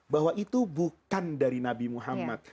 bahwa itu bukan dari nabi muhammad